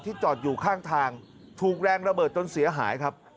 จอดอยู่ข้างทางถูกแรงระเบิดจนเสียหายครับ